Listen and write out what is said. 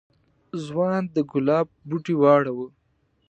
ځوان د گلاب بوټی واړاوه.